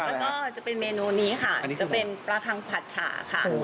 แล้วก็จะเป็นเมนูนี้ค่ะจะเป็นปลาคังผัดฉาค่ะ